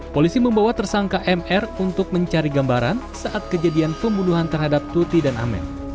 polisi membawa tersangka mr untuk mencari gambaran saat kejadian pembunuhan terhadap tuti dan amen